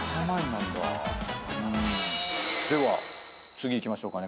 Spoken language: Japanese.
では次いきましょうかね。